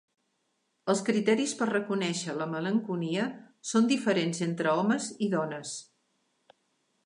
Els criteris per reconèixer la melanconia són diferents entre homes i dones.